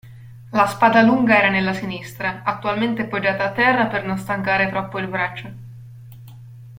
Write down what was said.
La spada lunga era nella sinistra, attualmente poggiata a terra per non stancare troppo il braccio.